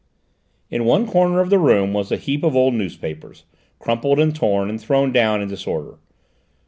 In one corner of the room was a heap of old newspapers, crumpled and torn, and thrown down in disorder.